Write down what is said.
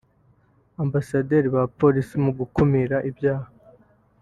Ambasaderi ba Polisi mu gukumira ibyaha